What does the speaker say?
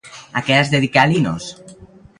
A què es dedicà Linos?